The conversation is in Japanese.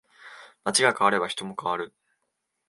街が変われば人も変わる